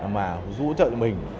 mà giúp ủng hộ mình